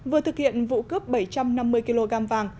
vừa thực hiện vụ cướp bảy trăm năm mươi kg vàng